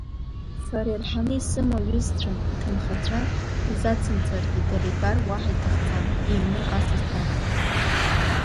Сара ирҳаны исымоу аҩызцәа, аҭынхацәа, изацымҵаргьы, дара ибар уаҳа иҭахӡам, иҩны асас дагхом.